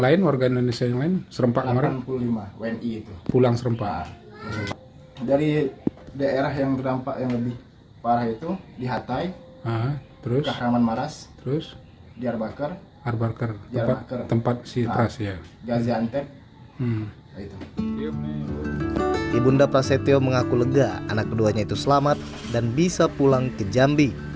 ibu nda prasetya mengaku lega anak keduanya itu selamat dan bisa pulang ke jambi